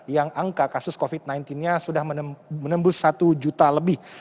yang angka kasus covid sembilan belas nya sudah menembus satu juta lebih